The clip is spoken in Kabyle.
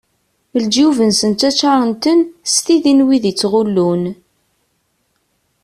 Leǧyub-nsen ttaččaren-ten, s tidi n wid i ttɣullun.